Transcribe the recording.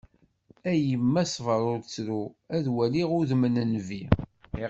A yemma sber ur ttru, ad waliɣ udem n Nnbi.